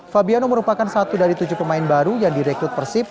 fabiano merupakan satu dari tujuh pemain baru yang direkrut persib